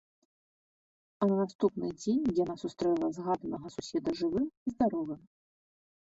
А на наступны дзень яна сустрэла згаданага суседа жывым і здаровым.